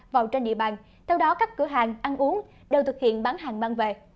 vào trên địa bàn theo đó các cửa hàng ăn uống đều thực hiện bán hàng mang về